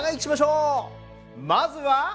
まずは。